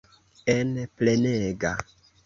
En plenega.